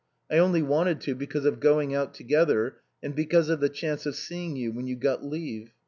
I only wanted to because of going out together and because of the chance of seeing you when you got leave.